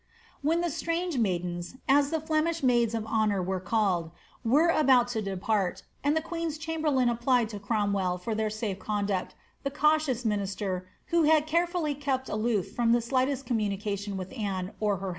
When the itraunge inaiileiiB, as the Flemish maids of honour were aUed, were about to depart, and the queen's cliambcrlBin applied to Cromwell for their saTe conduct, the cautious minister, who had cnre fnHr kept sloor froin the slightest coiuiniinicatiuii with Anne or her h.